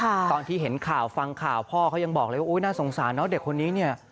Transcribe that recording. แล้วเป็นเรื่องที่ร้ายแรงเลยนะเนี่ยเรื่องใหญ่เลยนะเนี่ย